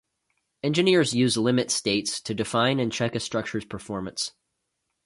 Engineers use limit states to define and check a structure's performance.